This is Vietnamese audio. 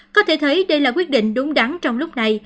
có thể thấy đây là quyết định đúng đắn trong lúc này